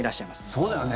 そうだよね。